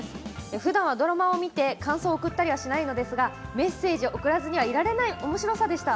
「ふだんはドラマを見て感想を送ったりはしないのですがメッセージを送らずにはいられないおもしろさでした。